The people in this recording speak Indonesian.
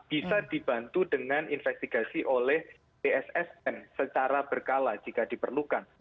bisa dibantu dengan investigasi oleh pssn secara berkala jika diperlukan